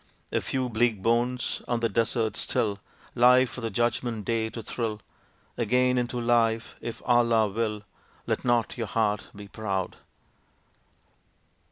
A few bleak bones on the Desert still Lie for the Judgment Day to thrill Again into life if Allah will: _Let not your heart be proud.